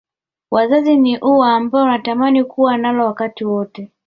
Wazazi ni ua ambalo natamani kuwa nalo wakati wote